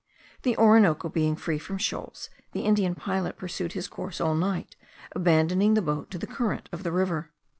The Orinoco being free from shoals, the Indian pilot pursued his course all night, abandoning the boat to the current of the river.